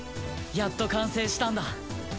やっと完成したんだ。